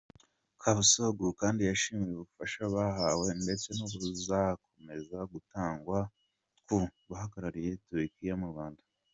Çavuşoğlu kandi yashimiye ubufasha bahawe, ndetse n’ubuzakomeza gutangwa ku bahagarariye Turikiya mu Rwanda.